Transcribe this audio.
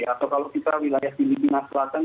atau kalau kita wilayah timur timur kelas selatan